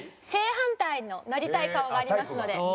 正反対のなりたい顔がありますので。